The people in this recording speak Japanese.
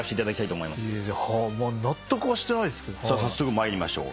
早速参りましょう。